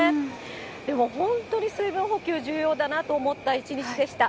でも本当に、水分補給、重要だなと思った一日でした。